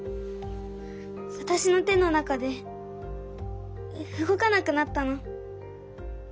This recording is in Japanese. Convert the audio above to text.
わたしの手の中でうごかなくなったの。